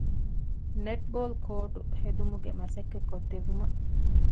ނެޓްބޯލްކޯޓު ހެދުމުގެ މަސައްކަތް ކޮށްދެއްވުމަށް